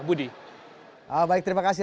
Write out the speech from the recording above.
budi baik terima kasih